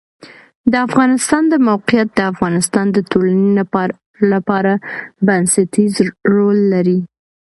د افغانستان د موقعیت د افغانستان د ټولنې لپاره بنسټيز رول لري.